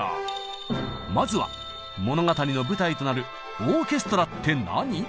まずは物語の舞台となるオーケストラって何？